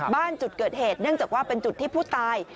บ้านจุดเกิดเหตุเนื่องจากว่าเป็นจุดที่ผู้ตาย